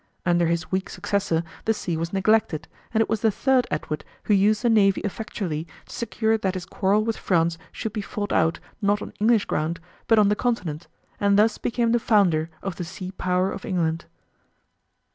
Under his weak successor the sea was neglected, and it was the third Edward who used the navy effectually to secure that his quarrel with France should be fought out, not on English ground, but on the Continent, and thus became the founder of the sea power of England.